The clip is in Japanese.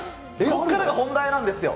ここからが本題なんですよ。